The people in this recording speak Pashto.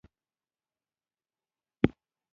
هغه کڅوړه په اوږه واچوله او د کور په لور روان شو